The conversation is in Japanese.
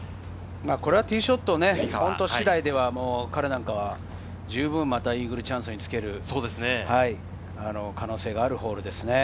ティーショット次第では彼なんかは十分、イーグルチャンスにつける可能性があるホールですね。